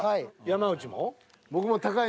山内も？